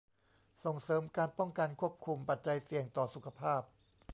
ส่งเสริมการป้องกันควบคุมปัจจัยเสี่ยงต่อสุขภาพ